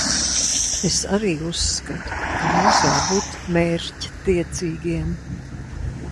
Es arī uzskatu, ka mums jābūt mērķtiecīgiem.